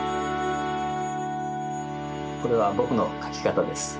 これはぼくの描きかたです。